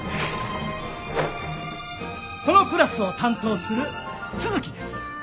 このクラスを担当する都築です。